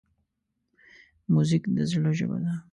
موزیک د زړه ژبه ده.